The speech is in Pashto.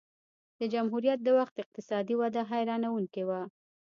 د جمهوریت د وخت اقتصادي وده حیرانوونکې وه.